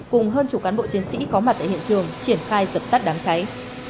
cùng hơn chủ cán bộ chiến sĩ có mặt tại hiện trường triển khai dập tắt đáng cháy